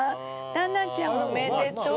「タナちゃんおめでとう」。